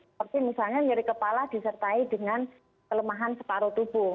seperti misalnya nyeri kepala disertai dengan kelemahan separuh tubuh